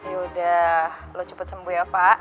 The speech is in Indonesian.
yaudah lu cepet sembuh ya pak